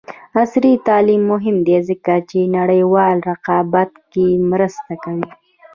عصري تعلیم مهم دی ځکه چې نړیوال رقابت کې مرسته کوي.